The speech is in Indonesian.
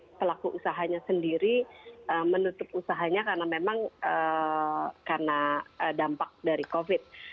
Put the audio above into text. karena pelaku usahanya sendiri menutup usahanya karena memang karena dampak dari covid